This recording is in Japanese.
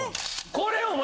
これお前